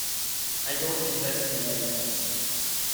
I don't invest in airlines.